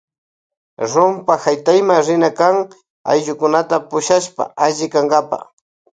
Rumpa haytayma rina kan ayllukunata pushashpa alli kankapa.